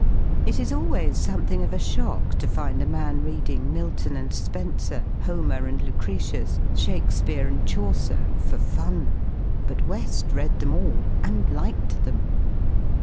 It is always something of a shock to find a mayi reading Milton and Spenser, Homer and Lucretius, Shakespeare and Chaucer for fun, but We§i read them all, and liked them.